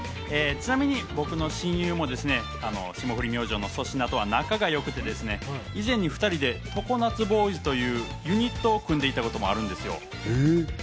ちなみに僕の親友も霜降り明星の粗品とは仲が良くて、以前に２人で常夏ボーイズというユニットを組んでいたこともあるんですよ。